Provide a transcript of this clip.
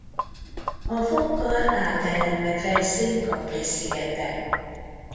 A fokkal átellenben fekszik Capri szigete.